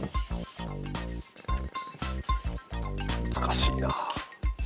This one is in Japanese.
難しいな。